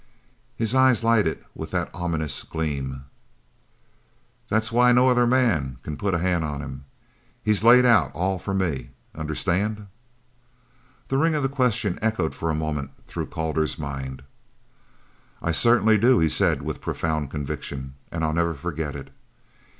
His eyes lighted with that ominous gleam. "That's why no other man c'n put a hand on him. He's laid out all for me. Understand?" The ring of the question echoed for a moment through Calder's mind. "I certainly do," he said with profound conviction, "and I'll never forget it."